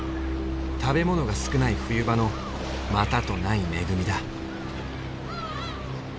食べ物が少ない冬場のまたとない恵みだ。